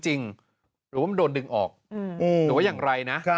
หรือว่ามันโดนดึงออกหรือว่าอย่างไรนะ